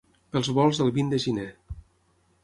Pels volts del vint de gener.